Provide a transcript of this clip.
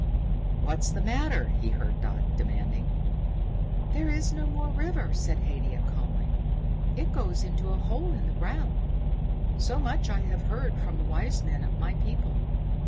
"What's the matter?" he heard Dodd demanding. "There is no more river," said Haidia calmly. "It goes into a hole in the ground. So much I have heard from the wise men of my people.